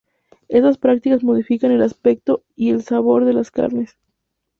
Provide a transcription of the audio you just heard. Estas prácticas modifican el aspecto y el sabor de las carnes.